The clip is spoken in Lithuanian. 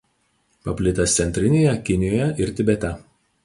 Paplitęs Centrinėje Kinijoje ir Tibete.